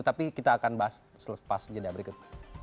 tapi kita akan bahas pas jendela berikut